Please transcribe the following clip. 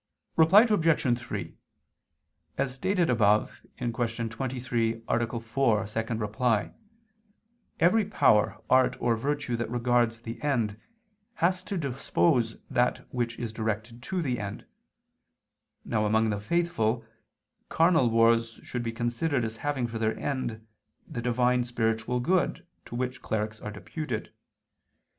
Reply Obj. 3: As stated above (Q. 23, A. 4, ad 2) every power, art or virtue that regards the end, has to dispose that which is directed to the end. Now, among the faithful, carnal wars should be considered as having for their end the Divine spiritual good to which clerics are deputed.